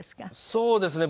そうですね。